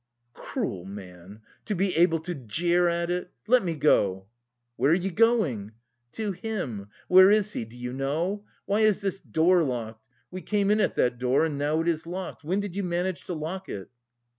"Cruel man! To be able to jeer at it! Let me go..." "Where are you going?" "To him. Where is he? Do you know? Why is this door locked? We came in at that door and now it is locked. When did you manage to lock it?"